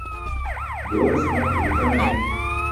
Dooras martulo cam aye.